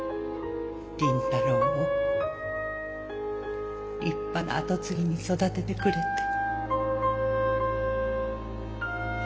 麟太郎を立派な跡継ぎに育ててくれて。